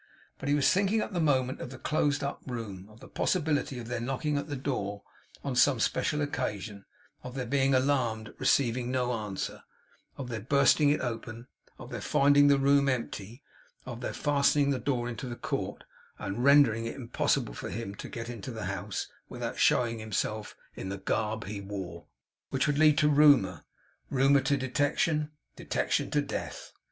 But he was thinking, at the moment, of the closed up room; of the possibility of their knocking at the door on some special occasion; of their being alarmed at receiving no answer; of their bursting it open; of their finding the room empty; of their fastening the door into the court, and rendering it impossible for him to get into the house without showing himself in the garb he wore, which would lead to rumour, rumour to detection, detection to death.